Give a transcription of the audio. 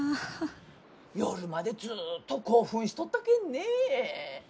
夜までずっと興奮しとったけんね。